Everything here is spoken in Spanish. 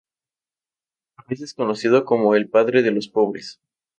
A veces conocido como el "padre de los pobres".